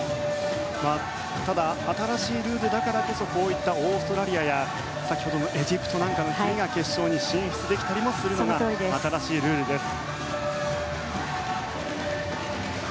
ただ新しいルールだからこそこういったオーストラリアや先ほどのエジプトなんかが決勝に進出できたりするような新しいルールです。